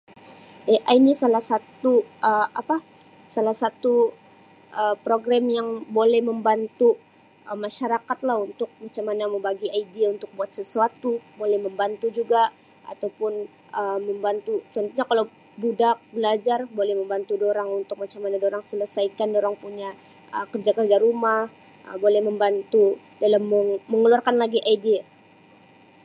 AI ni salah satu Um apa salah satu Um program yang boleh membantu Um masyarakat lah untuk macam mana mau bagi idea untuk buat sesuatu boleh membantu juga atau pun Um membantu contohnya kalau budak belajar boleh membantu dorang untuk macam mana dorang selesaikan dorang punya Um kerja kerja rumah Um boleh membantu dalam menge - mengeluarkan lagi idea.